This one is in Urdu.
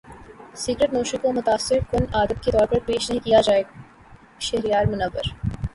سگریٹ نوشی کو متاثر کن عادت کے طور پر پیش نہ کیا جائے شہریار منور